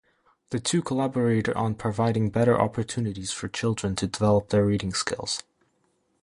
The two collaborated on providing better opportunities for children to develop their reading skills.